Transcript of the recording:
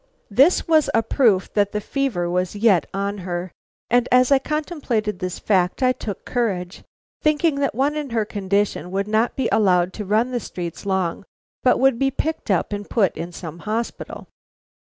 This was a proof that the fever was yet on her; and as I contemplated this fact I took courage, thinking that one in her condition would not be allowed to run the streets long, but would be picked up and put in some hospital.